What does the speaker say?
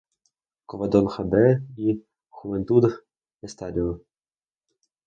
Covadonga "B" y Juventud Estadio.